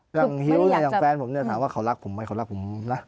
อย่างฮิวอย่างแฟนผมเนี่ยถามว่าเขารักผมไหม